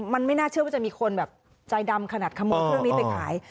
มันไม่น่าเชื่อว่าจะมีคนแบบใจดำขนาดขโมยเครื่องนี้ไปขาย